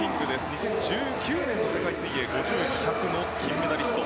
２０１９年の世界水泳５０、１００の金メダリスト。